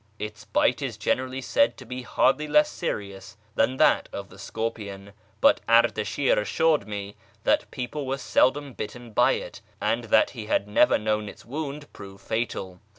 Its bite is generally said to be hardly less serious than that of the scorpion, but Ardashir assured me that people were seldom bitten by it, and that he had never known its wound prove fatal.